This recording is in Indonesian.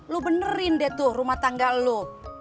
lu benerin deh tuh rumah tangga lo